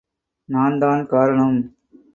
நான் தான் காரணம்!